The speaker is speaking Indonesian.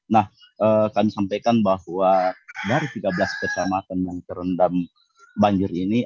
nah kami sampaikan bahwa dari tiga belas kecamatan yang terendam banjir ini